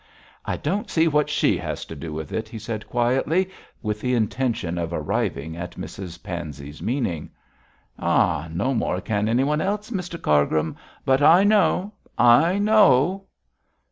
'I don't see what she has to do with it,' he said quietly, with the intention of arriving at Mrs Pansey's meaning. 'Ah! no more can anyone else, Mr Cargrim. But I know! I know!'